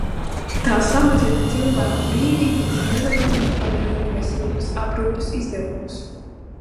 Tā samazina cilvēku brīvību un nevajadzīgi palielina veselības aprūpes izdevumus.